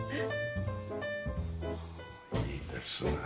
いいですね